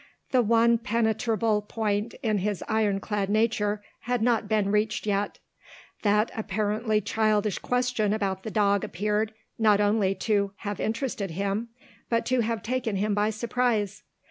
The one penetrable point in his ironclad nature had not been reached yet. That apparently childish question about the dog appeared, not only to have interested him, but to have taken him by surprise.